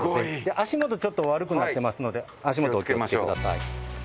足元ちょっと悪くなってますので足元お気をつけください。